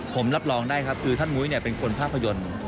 ผมรับรองได้ครับคือท่านมุ้ยเป็นคนภาพยนตร์